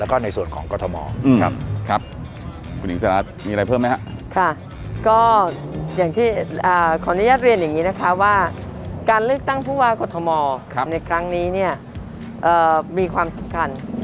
อ่ามีความสำคัญ